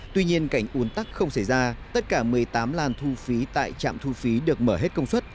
tuy nhiên cảnh un tắc không xảy ra tất cả một mươi tám làn thu phí tại trạm thu phí được mở hết công suất